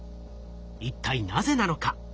一体なぜなのか？